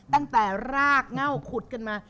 ตั้งแต่รากเง่าขุดกันมา